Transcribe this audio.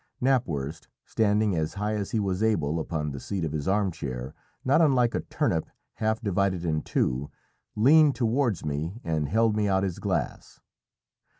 Knapwurst, standing as high as he was able upon the seat of his arm chair, not unlike a turnip half divided in two, leaned towards me and held me out his glass.